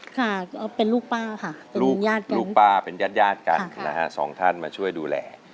ค่ะก็เป็นลูกป้าค่ะลูกญาติกันลูกป้าเป็นญาติญาติกันนะฮะสองท่านมาช่วยดูแล